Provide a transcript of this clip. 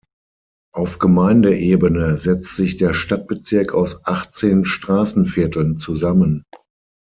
Auf Gemeindeebene setzt sich der Stadtbezirk aus achtzehn Straßenvierteln zusammen.